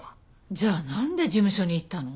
じゃあなんで事務所に行ったの？